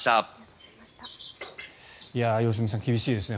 良純さん厳しいですね。